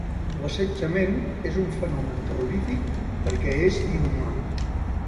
L'assetjament és un fenomen terrorífic perquè és inhumà.